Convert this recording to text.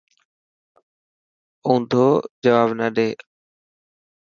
اونڌو جواب نه ڏي.